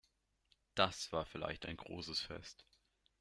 Das war vielleicht ein großes Fest.